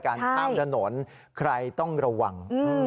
ข้ามถนนใครต้องระวัง